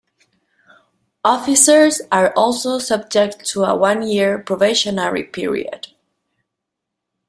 Officers are also subject to a one-year probationary period.